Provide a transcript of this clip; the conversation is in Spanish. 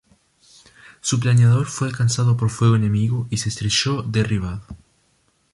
Su planeador fue alcanzado por fuego enemigo y se estrelló derribado.